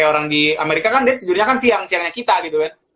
orang di amerika kan dia tidurnya kan siang siangnya kita gitu kan